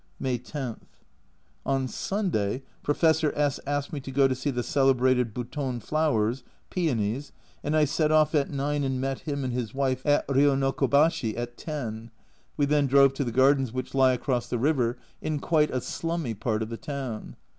May 10. On Sunday Professor S asked me to go to see the celebrated Buton flowers (paeonies), and I set off at 9 and met him and his wife at A Journal from Japan 155 Ryonokubashi at 10. We then drove to the gardens, which lie across the river, in quite a slummy part of the town.